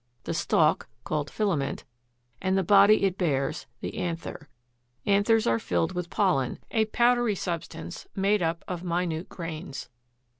the stalk, called FILAMENT, and the body it bears, the ANTHER. Anthers are filled with POLLEN, a powdery substance made up of minute grains.